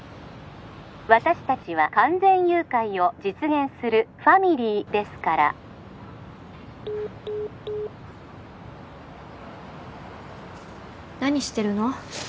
☎私達は完全誘拐を実現する☎ファミリーですから何してるの？